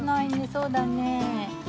そうだねえ。